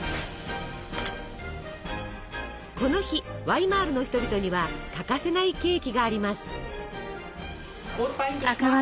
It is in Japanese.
この日ワイーマルの人々には欠かせないケーキがあります。